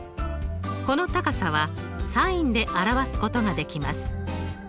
この高さはｓｉｎで表すことができます。